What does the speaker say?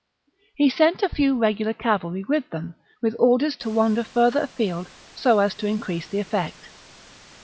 He sent a few regular cavalry with them, with orders to wander further afield, so as to increase the effect.